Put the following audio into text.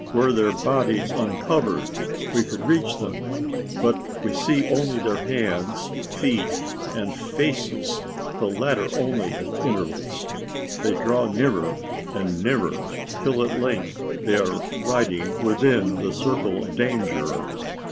Were their bodies uncovered, we could reach them; but we see only their hands, feet, and faces the latter only at intervals. They draw nearer and nearer, till at length they are riding within the circle of danger.